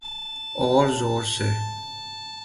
أور زور سے۔